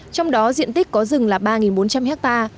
trong đó diện tích có rừng là ba bốn trăm linh ha